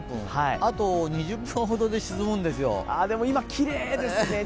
あと２０分ほどで沈むんですよ。